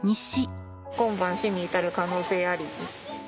「今晩死に至る可能性あり」。